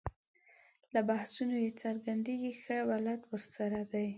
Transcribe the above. له بحثونو یې څرګندېږي ښه بلد ورسره دی.